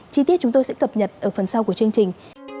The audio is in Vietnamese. chi tiết chúng tôi sẽ cập nhật ở phần sau của chương trình